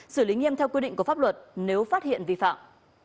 xử lý nghiêm theo quy định của pháp luật nếu phát hiện vi phạm